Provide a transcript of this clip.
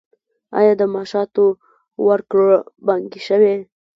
آیا د معاشونو ورکړه بانکي شوې؟